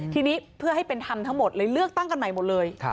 ทีนี้เพื่อให้เป็นธรรมทั้งหมดเลยเลือกตั้งกันใหม่หมดเลย